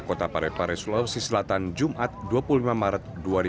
kota parepare sulawesi selatan jumat dua puluh lima maret dua ribu dua puluh